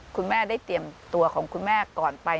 คุณแม่ได้เตรียมตัวของคุณแม่ก่อนไป